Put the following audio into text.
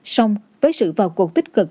song với sự vào cuộc tích cực